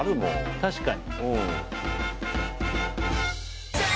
確かに。